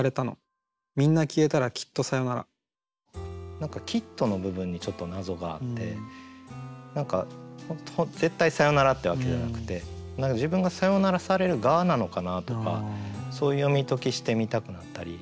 何か「きつと」の部分にちょっと謎があって絶対さよならってわけじゃなくて自分がさよならされる側なのかなとかそういう読み解きしてみたくなったり。